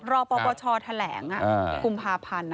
ปปชแถลงกุมภาพันธ์